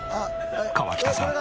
河北さん